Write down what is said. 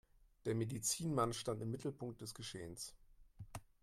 Der Medizinmann stand im Mittelpunkt des Geschehens.